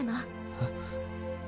えっ。